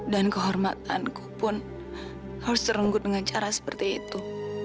dan kehormatanku pun harus terunggut dengan cara seperti itu